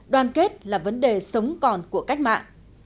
đoàn kết là vấn đề sống còn của cách mạng